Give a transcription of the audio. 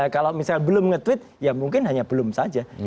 kalau misalnya belum nge tweet ya mungkin hanya belum saja